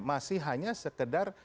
masih hanya sekedar